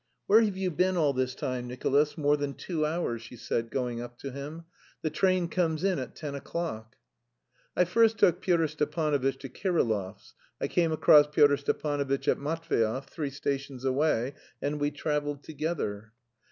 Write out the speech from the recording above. "Where have you been all this time, Nicolas, more than two hours?" she said, going up to him. "The train comes in at ten o'clock." "I first took Pyotr Stepanovitch to Kirillov's. I came across Pyotr Stepanovitch at Matveyev (three stations away), and we travelled together."